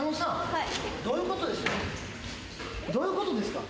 どういうことですか？